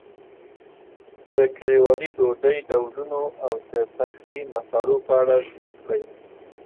د کلیوالي ډوډۍ ډولونو او د پخلي مسالو په اړه زده کړئ.